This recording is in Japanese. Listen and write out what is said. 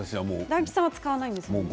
大吉さんは使わないんですよね。